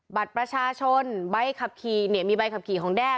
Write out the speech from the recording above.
บัตรประชาชนใบขับขี่เนี่ยมีใบขับขี่ของแด้